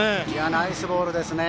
ナイスボールですね。